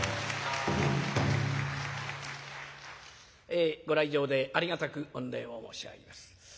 えご来場でありがたく御礼を申し上げます。